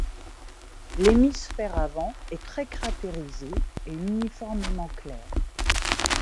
L'hémisphère avant est très cratérisé et uniformément clair.